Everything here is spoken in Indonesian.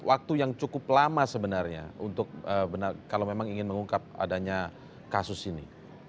waktu yang cukup lama sebenarnya untuk kalau memang ingin mengungkap adanya kasus ini